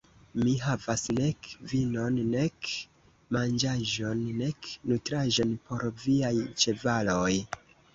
Mi havas nek vinon, nek manĝaĵon, nek nutraĵon por viaj ĉevaloj.